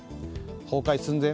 崩壊寸前？